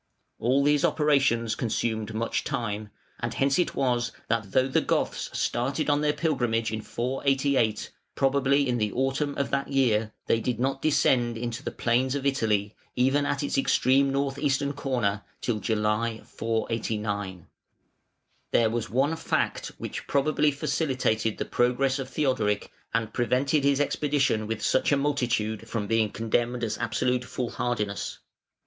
All these operations consumed much time, and hence it was that though the Goths started on their pilgrimage in 488 (probably in the autumn of that year) they did not descend into the plains of Italy even at its extreme north eastern corner, till July, 489. There was one fact which probably facilitated the progress of Theodoric, and prevented his expedition with such a multitude from being condemned as absolute foolhardiness.